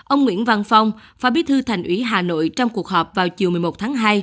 ông nguyễn văn phong phó bí thư thành ủy hà nội trong cuộc họp vào chiều một mươi một tháng hai